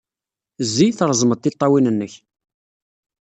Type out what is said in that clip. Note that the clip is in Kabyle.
Zzi, treẓmed tiṭṭawin-nnek.